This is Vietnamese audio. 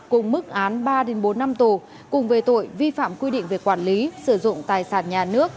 cùng mức án ba bốn năm tù cùng về tội vi phạm quy định về quản lý sử dụng tài sản nhà nước